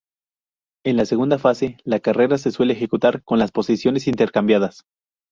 En la segunda fase, la carrera se suele ejecutar con las posiciones intercambiadas.